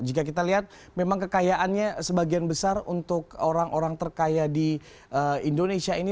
jika kita lihat memang kekayaannya sebagian besar untuk orang orang terkaya di indonesia ini